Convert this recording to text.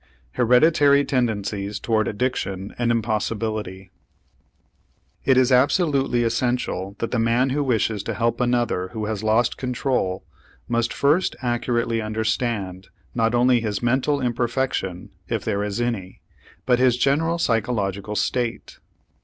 HEREDITARY TENDENCIES TOWARD ADDICTION AN IMPOSSIBILITY It is absolutely essential that the man who wishes to help another who has lost control must first accurately understand not only his mental imperfection, if there is any, but his general psychological state.